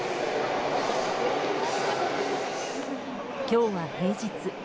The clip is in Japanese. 今日は平日。